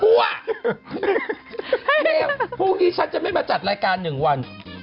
พี่หนูมันชั่วพรุ่งนี้ฉันจะไม่มาจัดรายการหนึ่งวัน